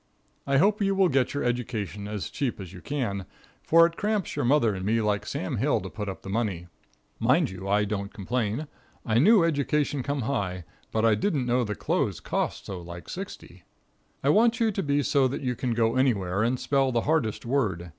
I hope you will get your education as cheap as you can, for it cramps your mother and me like Sam Hill to put up the money. Mind you, I don't complain. I knew education come high, but I didn't know the clothes cost so like sixty. I want you to be so that you can go anywhere and spell the hardest word.